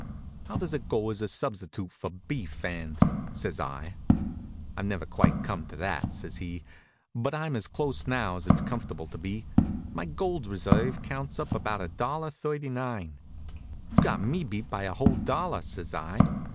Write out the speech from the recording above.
"How does it go as a substitute for beef and?" says I. "I've never quite come to that," says he, "but I'm as close now as it's comfortable to be. My gold reserve counts up about a dollar thirty nine." "You've got me beat by a whole dollar," says I.